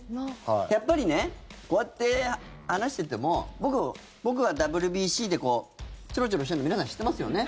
やっぱりねこうやって話してても僕がＷＢＣでちょろちょろしてんの皆さん、知ってますよね？